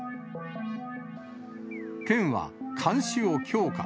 県は、監視を強化。